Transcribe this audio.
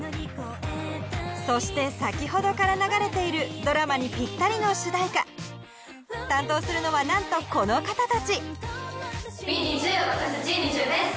そして先ほどから流れているドラマにピッタリの主題歌担当するのはなんとこの方たちＷｅＮｉｚｉＵ私たちＮｉｚｉＵです。